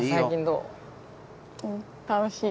楽しい？